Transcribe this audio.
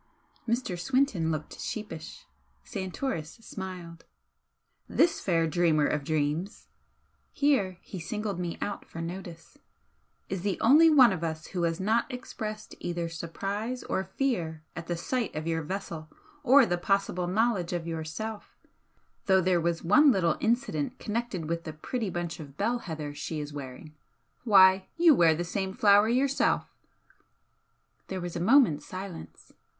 Mr. Swinton looked sheepish; Santoris smiled. "This fair dreamer of dreams" here he singled me out for notice "is the only one of us who has not expressed either surprise or fear at the sight of your vessel or the possible knowledge of yourself, though there was one little incident connected with the pretty bunch of bell heather she is wearing why! you wear the same flower yourself!" There was a moment's silence.